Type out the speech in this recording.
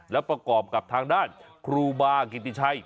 แล้วประกอบกับทางด้านครูบากิติชัย